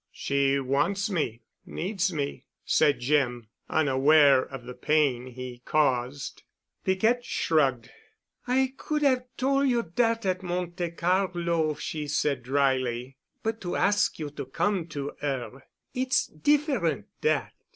"She wants me,—needs me," said Jim, unaware of the pain he caused. Piquette shrugged. "I could 'ave tol' you dat at Monte Carlo," she said dryly, "but to ask you to come to 'er—it's different, dat."